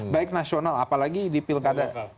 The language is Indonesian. baik nasional apalagi di pilkada